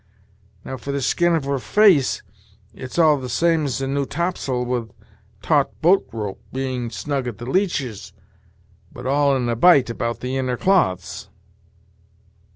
Now for the skin of her face, it's all the same as a new topsail with a taut bolt rope, being snug at the leeches, but all in a bight about the inner cloths."